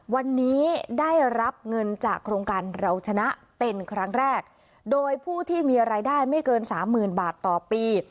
วันนี้ได้รับเงินจากโครงการเราชนะเป็นครั้งแรกโดยผู้ที่มีรายได้ไม่เกินสามหมื่นบาทต่อปี